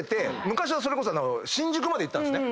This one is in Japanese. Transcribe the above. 昔はそれこそ新宿まで行ったんですね。